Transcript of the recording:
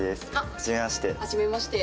はじめまして。